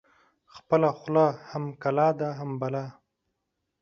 خپله خوله هم کلا ده هم بلا.